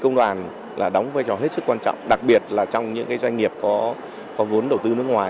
công đoàn là đóng vai trò hết sức quan trọng đặc biệt là trong những doanh nghiệp có vốn đầu tư nước ngoài